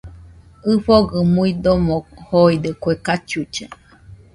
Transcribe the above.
ɨfɨgɨ muidomo joide kue cachucha